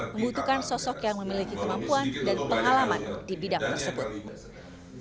membutuhkan sosok yang memiliki kemampuan dan pengalaman di bidang tersebut